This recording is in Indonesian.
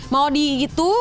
mau di itu